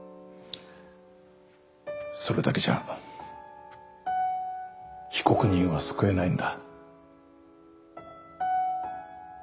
それだけじゃ被告人は救えないんだ。